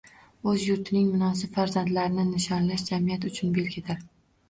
O'z yurtining munosib farzandlarini nishonlash jamiyat uchun belgidir